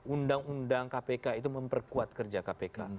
undang undang kpk itu memperkuat kerja kpk